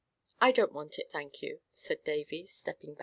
"I don't want it, thank you," said Davy, stepping back.